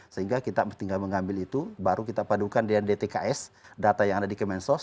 sehingga kita tinggal mengambil itu baru kita padukan dengan dtks data yang ada di kemensos